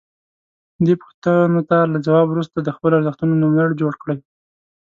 دې پوښتنو ته له ځواب وروسته د خپلو ارزښتونو نوملړ جوړ کړئ.